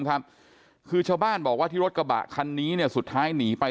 ครับคือชาวบ้านบอกว่าที่รถกระบะคันนี้เนี่ยสุดท้ายหนีไป